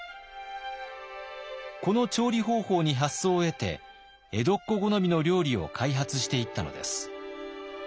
この調理方法に発想を得て江戸っ子好みの料理を開発していったのです。